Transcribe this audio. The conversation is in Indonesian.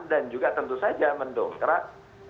dan juga tentu saja mendongkrak